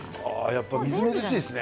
やっぱりみずみずしいですね。